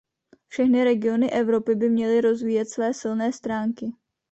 Všechny regiony Evropy by měly rozvíjet své silné stránky.